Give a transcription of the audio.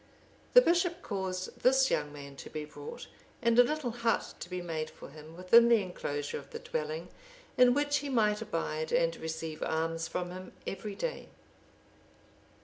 The bishop caused this young man to be brought, and a little hut to be made for him within the enclosure of the dwelling, in which he might abide, and receive alms from him every day.